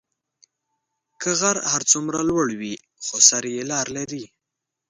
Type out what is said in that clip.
که غر هر څومره لوړی وي، خو سر یې لار لري.